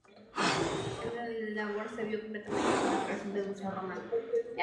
Esa labor se vio complementada con la creación del Museo Romano.